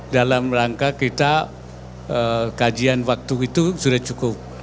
dalam rangka kita kajian waktu itu sudah cukup